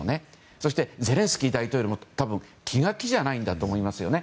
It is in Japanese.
そして、ゼレンスキー大統領も多分、気が気じゃないと思いますよね。